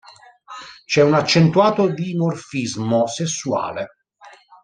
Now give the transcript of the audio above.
C'è un accentuato dimorfismo sessuale.